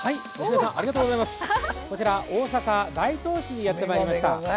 こちら大阪大東市にやってまいりました。